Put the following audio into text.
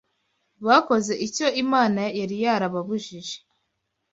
Bakoze icyo Imana yari yarababujije